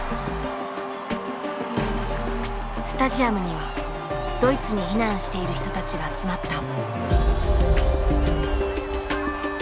スタジアムにはドイツに避難している人たちが集まった。